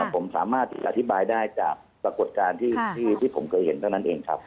ผมสามารถที่จะอธิบายได้จากปรากฏการณ์ที่ผมเคยเห็นเท่านั้นเองครับ